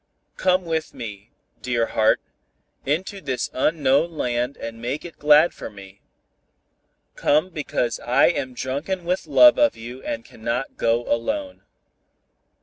Come with me, dear heart, into this unknown land and make it glad for me. Come because I am drunken with love of you and cannot go alone.